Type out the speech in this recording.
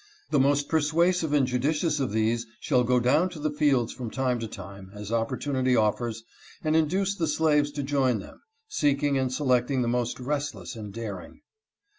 The most persuasive and judicious of these shall go down to the fields from time to time, as opportunity offers, and induce the slaves to join them, seeking and selecting the most restless and daring."